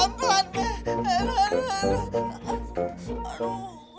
aduh aduh aduh aduh aduh pelan pelan pak aduh aduh aduh aduh